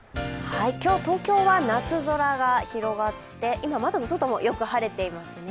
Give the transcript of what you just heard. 今日、東京は夏空が広がって今、窓の外もよく晴れていますね。